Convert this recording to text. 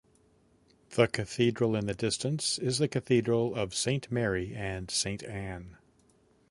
The cathedral in the distance is the Cathedral of Saint Mary and Saint Anne.